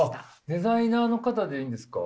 デザイナーの方でいいんですか？